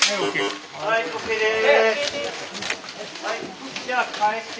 はいＯＫです。